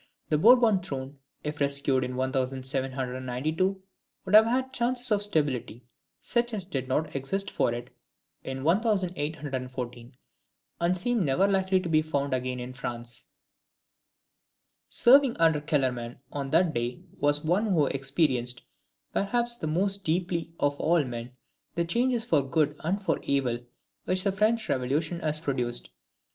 The Bourbon throne, if rescued in 1792, would have had chances of stability, such as did not exist for it in 1814, and seem never likely to be found again in France. Serving under Kellerman on that day was one who experienced, perhaps the most deeply of all men, the changes for good and for evil which the French Revolution has produced.